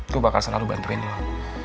gue bakal selalu bantuin doang